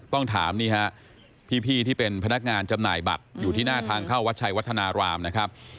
ต้องถามนี่ฮะพี่ที่เป็นพนักงานจำหน่ายบัตรอยู่ที่หน้าทางเข้าวัดชัยวัฒนารามนะครับ